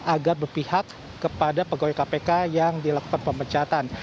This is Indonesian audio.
agar berpihak kepada pegawai kpk yang dilakukan pemecatan